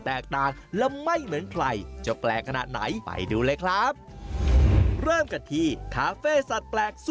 แต่ถ้าอยากร้องแววให้ไปดูคาเฟ่เหล่าดีครับ